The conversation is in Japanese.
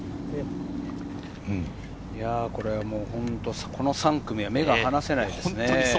これは本当、この３組は目が離せないですね。